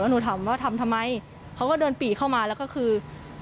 หนูถามว่าทำทำไมเขาก็เดินปี่เข้ามาแล้วก็คือ